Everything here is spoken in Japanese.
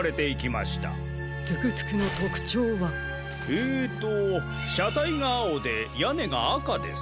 えとしゃたいがあおでやねがあかです。